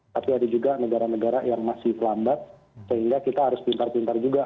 tapi ada juga negara negara yang masih lambat sehingga kita harus pintar pintar juga